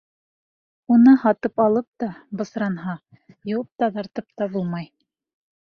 Уны һатып алып та, бысранһа, йыуып-таҙартып та булмай.